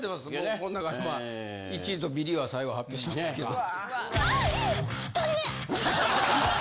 こん中でまあ１位とビリは最後発表しますけど。